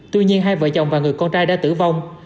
tuy nhiên hai vợ chồng và người con trai đã tử vong